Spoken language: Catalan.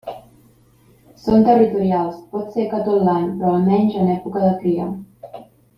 Són territorials, pot ser que tot l'any, però almenys en època de cria.